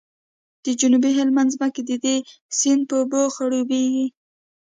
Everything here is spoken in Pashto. د جنوبي هلمند ځمکې د دې سیند په اوبو خړوبیږي